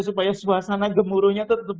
supaya suasana gemuruhnya tetap